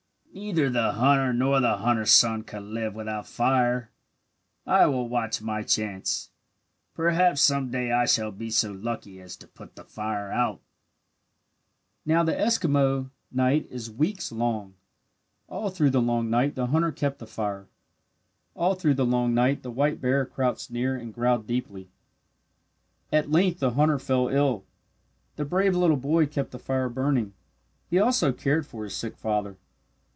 "Neither the hunter nor the hunter's son could live, without fire. I will watch my chance. Perhaps some day I shall be so lucky as to put the fire out." Now the Eskimo night is weeks long. All through the long night the hunter kept the fire. All through the long night the white bear crouched near and growled deeply. At length the hunter fell ill. The brave little boy kept the fire burning. He also cared for his sick father.